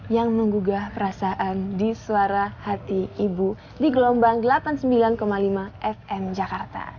yang menggugah perasaan di suara hati ibu di gelombang delapan puluh sembilan lima fm jakarta